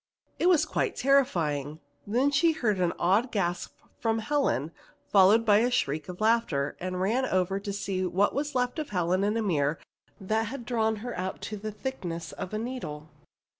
It was quite terrifying. Then she heard an awed gasp from Helen followed by a shriek of laughter, and ran over to see what was left of Helen in a mirror that had drawn her out to the thickness of a needle.